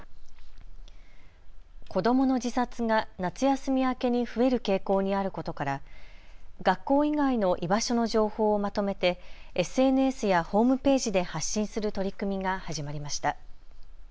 子どもの自殺が夏休み明けに増える傾向にあることから学校以外の居場所の情報をまとめてＳＮＳやホームページで発信する取り組みが始まりました。